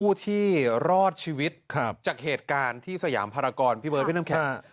ผู้ที่รอดชีวิตจากเหตุการณ์ที่สยามภารกรพี่เบิร์พี่น้ำแข็ง